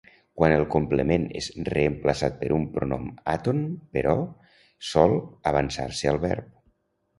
Quan el complement és reemplaçat per un pronom àton, però, sol avançar-se al verb.